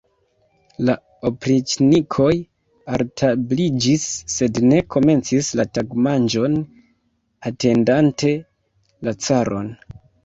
La opriĉnikoj altabliĝis, sed ne komencis la tagmanĝon, atendante la caron.